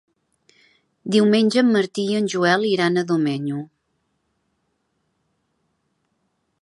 Diumenge en Martí i en Joel iran a Domenyo.